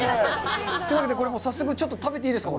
というわけで、早速、食べていいですか。